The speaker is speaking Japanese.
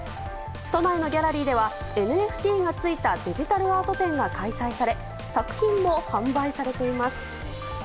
都内のギャラリーではＮＦＴがついたデジタルアート展が開催され作品も販売されています。